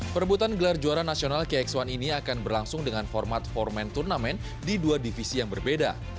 perebutan gelar juara nasional kx satu ini akan berlangsung dengan format empat turnamen di dua divisi yang berbeda